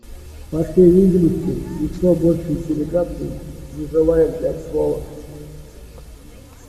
По всей видимости, никто больше из делегаций не желает взять слово.